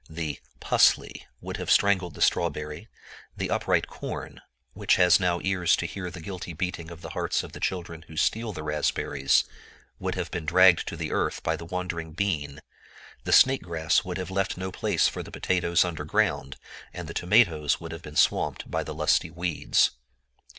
The "pusley" would have strangled the strawberry; the upright corn, which has now ears to hear the guilty beating of the hearts of the children who steal the raspberries, would have been dragged to the earth by the wandering bean; the snake grass would have left no place for the potatoes under ground; and the tomatoes would have been swamped by the lusty weeds.